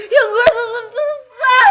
yang gue susah susah